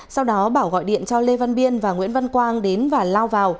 sau đó bảo gọi điện cho lê văn biên và nguyễn văn quang đến và lao vào